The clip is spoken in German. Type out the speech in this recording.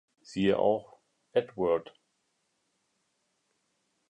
Siehe auch: Eadweard.